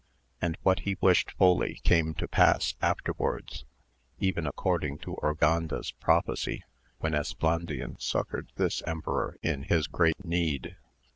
and what he wished fully came to pass afterwards, even according to Urganda*s prophecy, when Esplandian succoured this emperor in his great need.